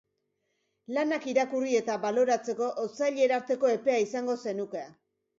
Lanak irakurri eta baloratzeko otsailerarteko epea izango zenuke